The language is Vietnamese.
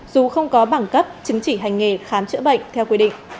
dù không có bảng cấp chứng chỉ hành nghề khám chữa bệnh theo quy định